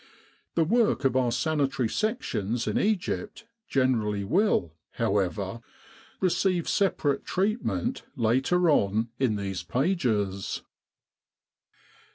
The work of our Sanitary Sections in Egypt gener ally will, however, receive separate treatment later on in these pages.